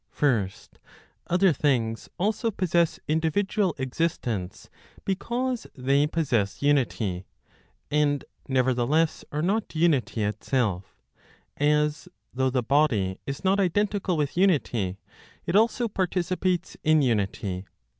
First, other things also possess individual existence because they possess unity, and nevertheless are not unity itself; as, though the body is not identical with unity, it also participates in unity.